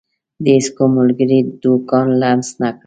د هيڅ کوم ملګري دکان لمس نه کړ.